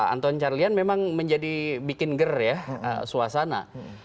anton carlyan memang menjadi bikin ger ya suasana